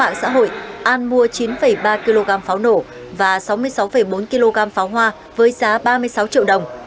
mạng xã hội an mua chín ba kg pháo nổ và sáu mươi sáu bốn kg pháo hoa với giá ba mươi sáu triệu đồng